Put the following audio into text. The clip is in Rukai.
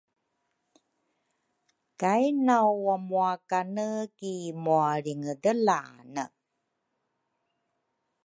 kai nawmuwakane ki mualringedelane.